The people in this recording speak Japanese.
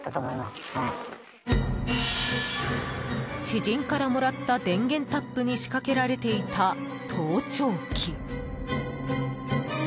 知人からもらった電源タップに仕掛けられていた盗聴器。